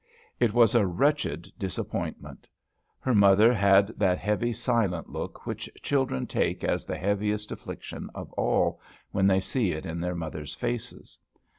It was a wretched disappointment. Her mother had that heavy, silent look, which children take as the heaviest affliction of all, when they see it in their mother's faces.